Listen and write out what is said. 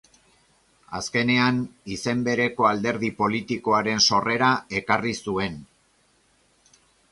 Azkenean, izen bereko alderdi politikoaren sorrera ekarri zuen.